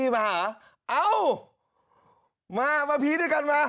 มามาพีชด้วยกันมา